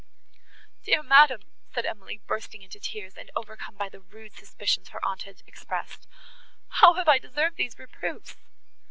"Dear madam," said Emily, bursting into tears, and overcome by the rude suspicions her aunt had expressed, "how have I deserved these reproofs?"